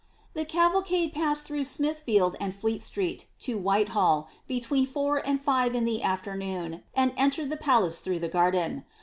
The cavalcade passed through Smithfield and Fleet Street to Whita halK between four and five in the afternoon, and entered the palaee through the garden.